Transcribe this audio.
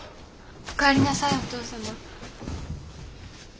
お帰りなさいお父様。